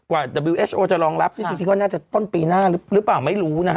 ว่าจะรองรับจริงจริงที่ว่าน่าจะต้นปีหน้าหรือเปล่าไม่รู้นะฮะ